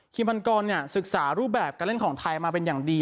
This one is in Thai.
พันกรศึกษารูปแบบการเล่นของไทยมาเป็นอย่างดี